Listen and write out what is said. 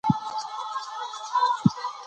متانت یعني مجموع کښي خپل عمومي خصوصیتونه ساتي.